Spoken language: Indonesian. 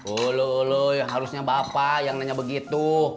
ulu harusnya bapak yang nanya begitu